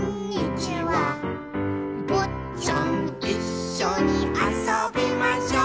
「ぼっちゃんいっしょにあそびましょう」